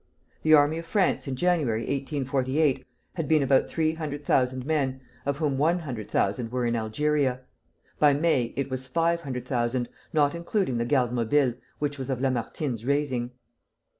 The army of France in January, 1848, had been about three hundred thousand men, of whom one hundred thousand were in Algeria; by May it was five hundred thousand, not including the Garde Mobile, which was of Lamartine's raising.